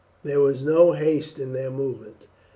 There was no haste in their movements.